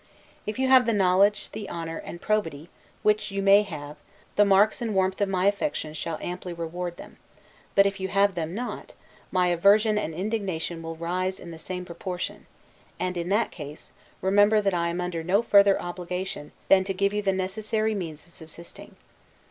If you have the knowledge, the honor, and probity, which you may have, the marks and warmth of my affection shall amply reward them; but if you have them not, my aversion and indignation will rise in the same proportion; and, in that case, remember, that I am under no further obligation, than to give you the necessary means of subsisting.